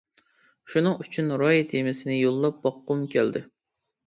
شۇنىڭ ئۈچۈن راي تېمىسىنى يوللاپ باققۇم كەلدى.